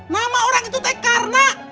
nama orang itu karena